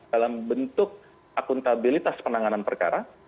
dalam bentuk akuntabilitas penanganan perkara